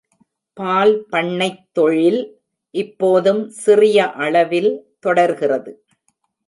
பால் பண்ணத் தொழில் இப்போதும் சிறிய அளவில் தொடர்கிறது.